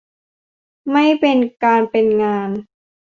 ไม่เป็นการเป็นงาน